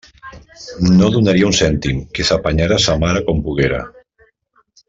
No donaria un cèntim; que s'apanyara sa mare com poguera.